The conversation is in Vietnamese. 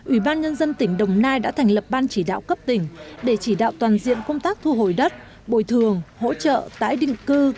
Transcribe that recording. ubnd tỉnh đồng nai đã thành lập ban chỉ đạo cấp tỉnh để chỉ đạo toàn diện công tác thu hồi đất bồi thường hỗ trợ tái định cư